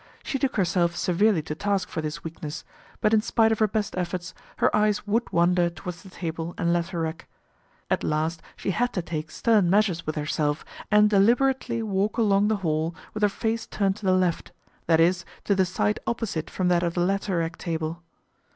She took herself severely to task for this weakness, but in spite of her best efforts, her eyes would wander towards the table and letter rack. At last she had to take stern measures with herself and deliber ately walk along the hall with her face turned to the left, that is to the side opposite from that of the letter rack table.